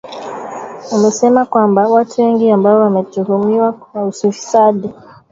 Amesema kwamba watu wengi ambao wametuhumiwa kwa ufisadi